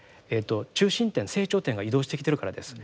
中心点成長点が移動してきてるからです。